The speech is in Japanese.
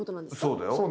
そうだよ。